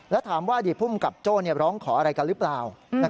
แล้วถามว่าอดีตภูมิกับโจ้ร้องขออะไรกันหรือเปล่า